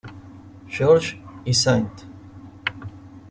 George y St.